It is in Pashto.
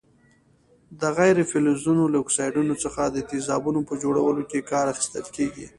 د غیر فلزونو له اکسایډونو څخه د تیزابونو په جوړولو کې کار اخیستل کیږي.